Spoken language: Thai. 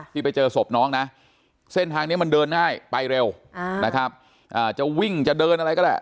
ที่ไปเจอศพน้องนะเส้นทางนี้มันเดินง่ายไปเร็วนะครับจะวิ่งจะเดินอะไรก็ได้